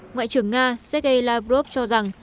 ngoại trưởng nga sergei lavrov cho rằng